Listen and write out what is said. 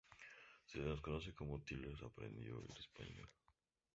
Se desconoce cómo Tyler aprendió el español.